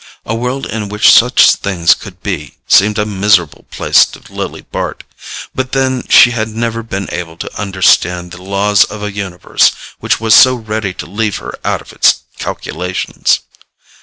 A world in which such things could be seemed a miserable place to Lily Bart; but then she had never been able to understand the laws of a universe which was so ready to leave her out of its calculations.